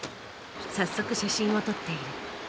早速写真を撮っている。